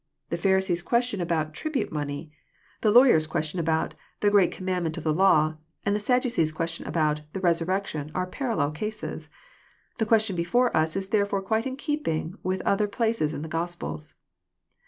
The Pharisees' question about tribute money," the lawyer's question about " the great com mandment of the law," and the Sadducces' question about '' the resurrection," are parallel cases. The question before us is therefore quite in keeping with other places in the Gospels.